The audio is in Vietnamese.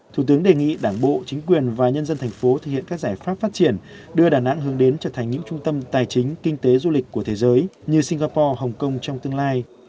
thủ tướng đề nghị đảng bộ chính quyền và nhân dân thành phố thực hiện các giải pháp phát triển đưa đà nẵng hướng đến trở thành những trung tâm tài chính kinh tế du lịch của thế giới như singapore hồng kông trong tương lai